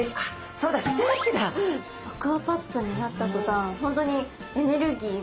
そうだアクアパッツァになった途端本当にエネルギーが。